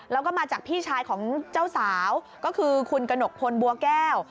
แล้วก็มาจากพี่ชายของเจ้าสาวก็คือคุณกระหนกพลบัวแก้ว